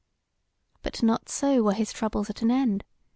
But not so were his troubles at an end.